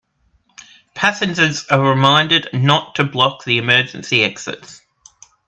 Passengers are reminded not to block the emergency exits.